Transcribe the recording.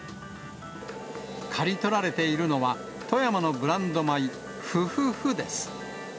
刈り取られているのは、富山のブランド米、富富富です。